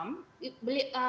mereka akan baca